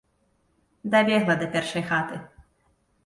Дабегла да першай хаты.